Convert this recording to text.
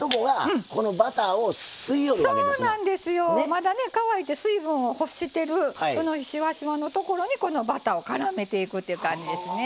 まだね乾いて水分を欲してるそのしわしわのところにこのバターをからめていくという感じですね。